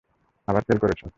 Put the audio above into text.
আবার ফেল করেছে।